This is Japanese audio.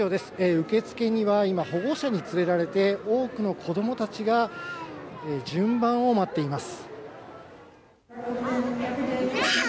受付には今、保護者に連れられて、多くの子どもたちが順番を待っています。